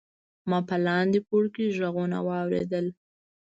ما په لاندې پوړ کې غږونه واوریدل.